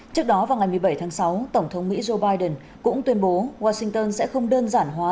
trước đó vào ngày một mươi bảy tháng sáu tổng thống mỹ joe biden cũng tuyên bố washington sẽ không đơn giản hóa